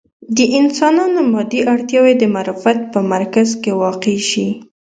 د انسانانو مادي اړتیاوې د معرفت په مرکز کې واقع شي.